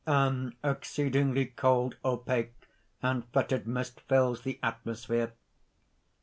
_ _An exceedingly cold, opaque and f[oe]tid mist fills the atmosphere.